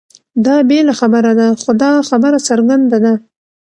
دا بېله خبره ده؛ خو دا خبره څرګنده ده،